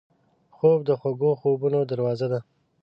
خوب د خوږو خوبونو دروازه ده